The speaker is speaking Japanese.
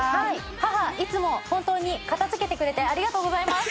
母いつも本当に片づけてくれてありがとうございます。